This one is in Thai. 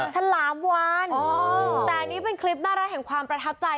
ฉลามวานแต่อันนี้เป็นคลิปน่ารักแห่งความประทับใจ